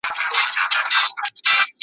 او دې مې لکه د تل په څېر